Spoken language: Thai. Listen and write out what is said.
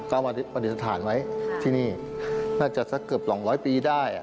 ก็มาปฏิสถานไว้ที่นี่น่าจะสักเกือบ๒๐๐ปีได้